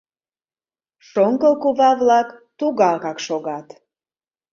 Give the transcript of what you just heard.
Шоҥго кува-влак тугакак шогат.